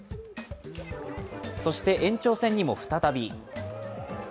そして延長戦にも再び。